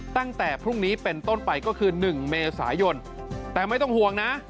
ตั้งแต่พรุ่งนี้เป็นต้นไปก็คือ๑เมษายนแต่ไม่ต้องห่วงนะ